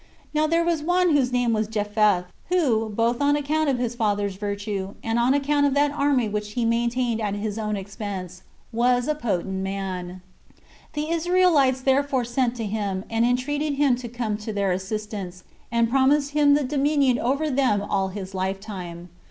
Now there was one whose name was Jephtha, who, both on account of his father's virtue, and on account of that army which he maintained at his own expenses, was a potent man: the Israelites therefore sent to him, and entreated him to come to their assistance, and promised him the dominion over them all his lifetime.